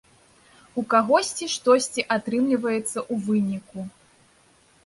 У кагосьці штосьці атрымліваецца ў выніку.